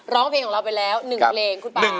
ร้องเพลงของเราไปแล้ว๑เครง